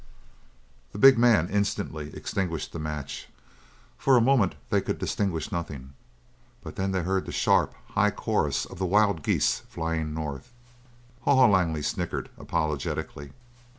The big man instantly extinguished the match. For a moment they could distinguish nothing, but then they heard the sharp, high chorus of the wild geese flying north. Haw Haw Langley snickered apologetically.